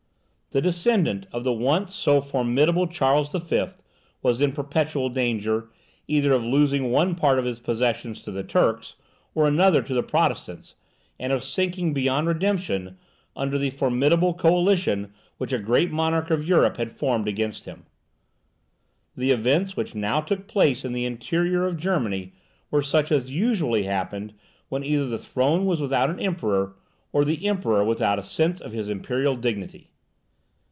The descendant of the once so formidable Charles the Fifth was in perpetual danger, either of losing one part of his possessions to the Turks, or another to the Protestants, and of sinking, beyond redemption, under the formidable coalition which a great monarch of Europe had formed against him. The events which now took place in the interior of Germany were such as usually happened when either the throne was without an emperor, or the Emperor without a sense of his imperial dignity.